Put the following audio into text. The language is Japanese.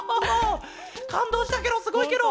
かんどうしたケロすごいケロ！